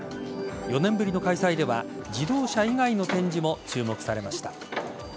４年ぶりの開催では自動車以外の展示も注目されました。